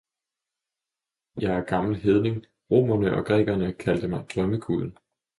jeg er gammel hedning, romerne og grækerne kaldte mig drømmeguden!